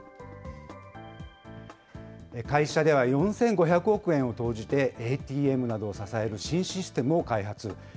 会社では４５００億円を投じて、ＡＴＭなどを支える新システムを開発。